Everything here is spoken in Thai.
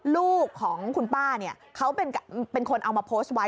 ลูกของคุณป้าเนี่ยเขาเป็นคนเอามาโพสต์ไว้